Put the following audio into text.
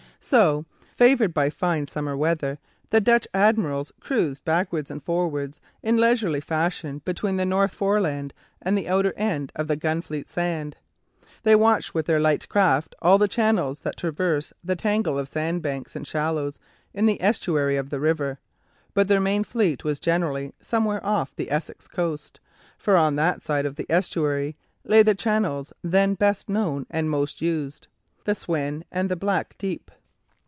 So, favoured by fine summer weather, the Dutch admirals cruised backwards and forwards in leisurely fashion between the North Foreland and the outer end of the Gunfleet Sand. They watched with their light craft all the channels that traverse the tangle of sandbanks and shallows in the estuary of the river; but their main fleet was generally somewhere off the Essex coast, for on that side of the estuary lay the channels then best known and most used, the Swin and the Black Deep.